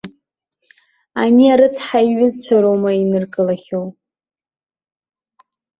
Ани арыцҳа иҩызцәа роума иныркылахьоу!